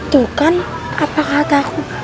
tuh kan apa kataku